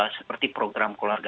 seperti program keluarga